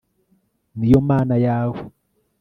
ni yo mana yawe